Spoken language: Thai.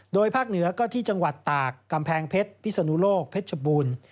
โดยภาคเหนือก็ที่จังหวัดตากกำแพงเพชรพิศนุโลกเพชรบูรณ์